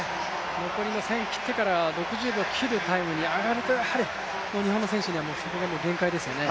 残りの１０００切ってから、６０秒を切るタイムに上がると、日本の選手にはそこがもう限界ですよね。